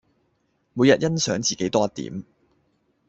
每日欣賞自己多一點